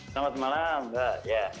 selamat malam mbak